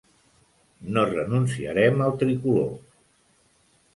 No renunciarem al tricolor.